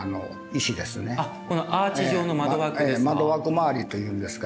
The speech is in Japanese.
このアーチ状の窓枠ですか？